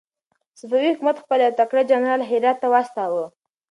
صفوي حکومت خپل يو تکړه جنرال هرات ته واستاوه.